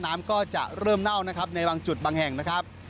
น้ำก็จะเริ่มเน่านะครับในบางจุดบางแห่งนะครับ